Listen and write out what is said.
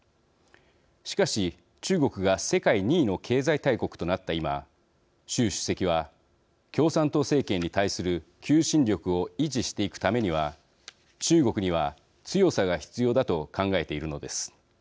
しかし、中国が世界２位の経済大国となった今、習主席は共産党政権に対する求心力を維持していくためには中国には強さが必要だと考えているのです。